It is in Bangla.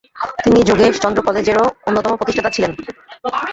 তিনি যোগেশচন্দ্র কলেজেরও অন্যতম প্রতিষ্ঠাতা ছিলেন ।